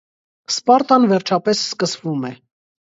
«Սպարտան » վերջապես սկսվում է։